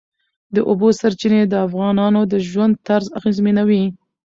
د اوبو سرچینې د افغانانو د ژوند طرز اغېزمنوي.